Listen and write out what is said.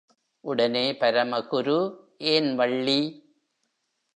உடனே பரமகுரு, ஏன் வள்ளி!